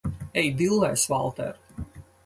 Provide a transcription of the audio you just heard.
Ej dillēs, Valter!